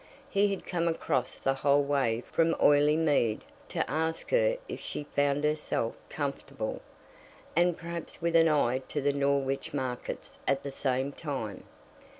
He had come across the whole way from Oileymead to ask her if she found herself comfortable, and perhaps with an eye to the Norwich markets at the same time.